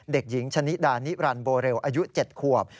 เด็กหญิงชะนิดานิรันดิโบเรลอายุ๗ขวบ